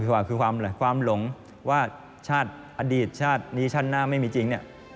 ว่าคือความหลงว่าชาติอดีตชาตินี้ชาติหน้าไม่มีจริง